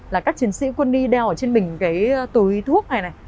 là các chiến sĩ quân y đeo ở trên mình cái túi thuốc này này